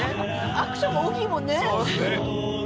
アクションが大きいもんね。